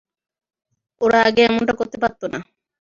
ওরা আগে এমনটা করতে পারত না।